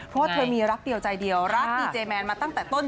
เพราะว่าเธอมีรักเดียวใจเดียวรักดีเจแมนมาตั้งแต่ต้น